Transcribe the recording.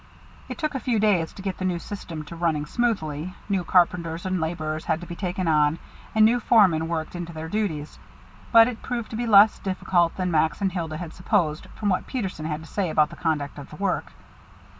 It took a few days to get the new system to running smoothly new carpenters and laborers had to be taken on, and new foremen worked into their duties but it proved to be less difficult than Max and Hilda had supposed from what Peterson had to say about the conduct of the work.